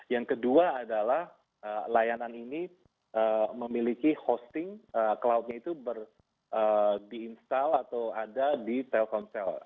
yang kedua adalah layanan ini memiliki hosting cloudnya itu di install atau ada di telkomsel